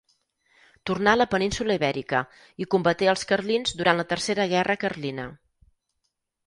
Tornà a la península Ibèrica, i combaté els carlins durant la Tercera Guerra Carlina.